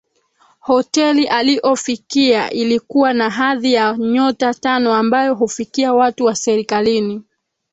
Hoteli aliofikia ilikua na hadhi ya nyota tano ambayo hufikia watu wa serikalini